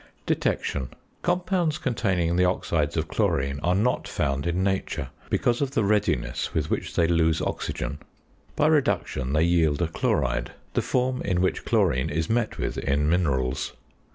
~Detection.~ Compounds containing the oxides of chlorine are not found in nature, because of the readiness with which they lose oxygen. By reduction they yield a chloride; the form in which chlorine is met with in minerals.